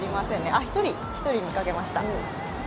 あ、１人見かけました。